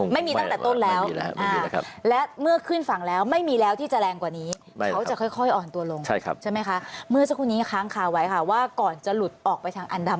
ไม่มีตั้งแต่ต้นแล้วและเมื่อขึ้นฝั่งแล้วไม่มีแล้วที่จะแรงกว่านี้